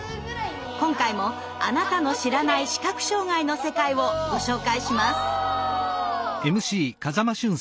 今回もあなたの知らない視覚障害の世界をご紹介します！